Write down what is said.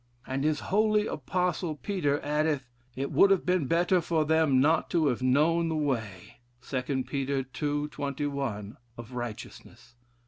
And his holy apostle Peter addeth, 'It would have been better for them not to have known the way (2 Peter ii. 21) of righteousness.'